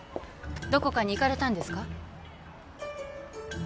どこかに行かれたんですか？